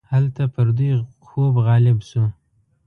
هلته پر دوی خوب غالب شو.